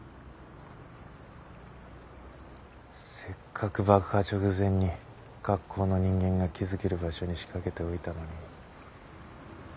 せっかく爆破直前に学校の人間が気付ける場所に仕掛けておいたのに。